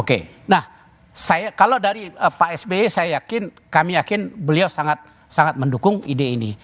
oke nah kalau dari pak sby saya yakin kami yakin beliau sangat mendukung ide ini